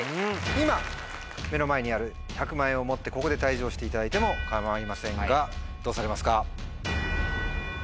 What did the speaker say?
今目の前にある１００万円を持ってここで退場していただいても構いませんがどうされますか？